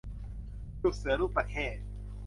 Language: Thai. ลูกเสือลูกตะเข้